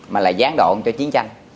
mà là gián đoạn cho chiến tranh